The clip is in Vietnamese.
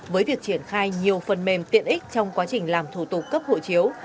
với việc triển khai nhiều phần mềm tiện ích trong quá trình làm thủ tục cấp hộ chiếu